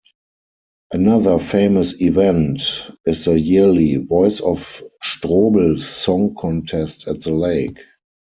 Another famous event is the yearly "Voice of Strobl" song contest at the lake.